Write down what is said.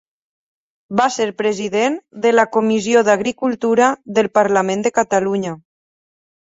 Va ser president de la Comissió d'Agricultura del Parlament de Catalunya.